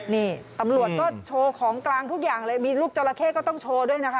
นี่ตำรวจก็โชว์ของกลางทุกอย่างเลยมีลูกจราเข้ก็ต้องโชว์ด้วยนะคะ